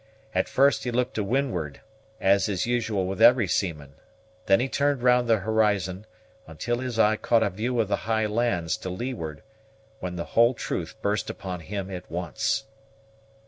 At first he looked to windward, as is usual with every seaman; then he turned round the horizon, until his eye caught a view of the high lands to leeward, when the whole truth burst upon him at once.